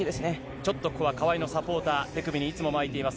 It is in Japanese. ちょっとここは川井のサポーター、手首にいつも巻いています、